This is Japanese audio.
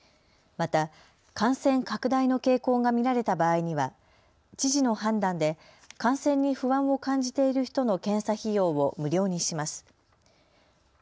また、感染拡大の傾向が見られた場合には知事の判断で感染に不安を感じている人の検査費用を無料にします。